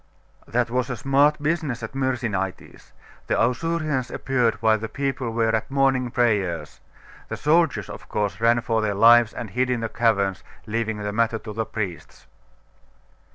'That was a smart business at Myrsinitis. The Ausurians appeared while the people were at morning prayers. The soldiers, of course, ran for their lives, and hid in the caverns, leaving the matter to the priests.